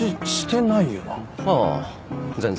ああ全然。